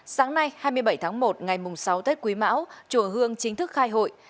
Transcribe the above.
sáng nay hai mươi bảy tháng một ngày sáu tết quý mão chùa hương chính thức khai hội